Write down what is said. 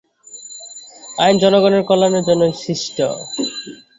আইন জনগণের কল্যাণের জন্যই সৃষ্ট।